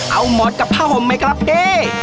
เอาหมดกับผ้าห่มไหมครับพี่